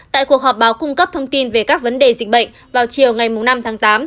tại cuộc họp báo cung cấp thông tin về các vấn đề dịch bệnh vào chiều ngày năm tháng tám